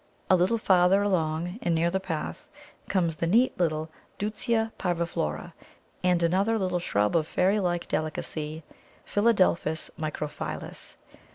A little farther along, and near the path, comes the neat little Deutzia parviflora and another little shrub of fairy like delicacy, Philadelphus microphyllus.